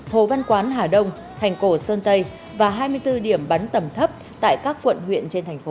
hồ văn quán hà đông thành cổ sơn tây và hai mươi bốn điểm bắn tầm thấp tại các quận huyện trên thành phố